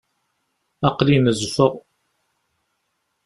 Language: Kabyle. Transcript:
Aql-i nezfeɣ.